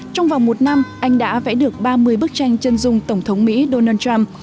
trong vòng một năm anh đã vẽ được ba mươi bức tranh chân dung tổng thống mỹ donald trump